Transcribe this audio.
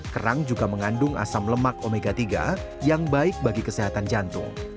kerang juga mengandung asam lemak omega tiga yang baik bagi kesehatan jantung